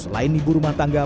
selain ibu rumah tangga